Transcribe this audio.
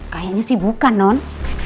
kayaknya sih bukan non